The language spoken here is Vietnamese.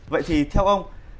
vậy thì theo ông